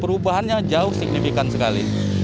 perubahannya jauh signifikan sekali